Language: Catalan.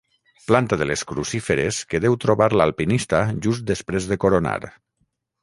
Planta de les crucíferes que deu trobar l'alpinista just després de coronar.